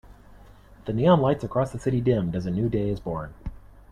The neon lights across the city dimmed as a new day is born.